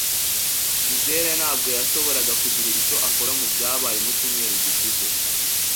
Gisele ntabwo yashoboraga kugira icyo akora mubyabaye mucyumweru gishize.